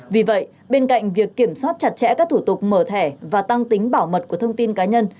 vì vậy bên cạnh việc kiểm soát chặt chẽ các thủ tục mở thẻ và tăng tính bảo mật của thông tin cá nhân